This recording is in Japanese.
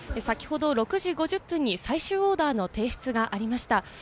先ほど６時５０分に最終オーダーの提出がありました。